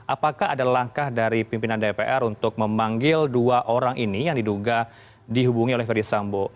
apakah ada langkah dari pimpinan dpr untuk memanggil dua orang ini yang diduga dihubungi oleh ferdisambo